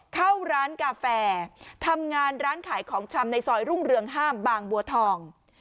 เข้าร้านกาแฟทำงานร้านขายของชำในซอยรุ่งเรืองห้ามบางบัวทอง